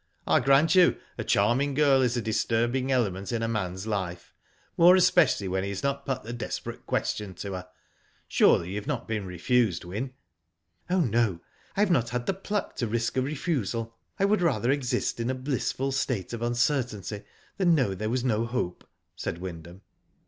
"I grant you a charming girl is a disturbing element in a man's life, more especially when he has not put the desperate question to her. Surely you have not been refused, Wyn?" "Oh, no. I have not had the pluck to risk a refusal. I would rather exist in a blissful state of uncertainty than know there was no hope," said Wyndham.